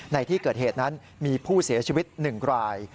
ในที่เกิดเหตุนั้นมีผู้เสียชีวิต๑ราย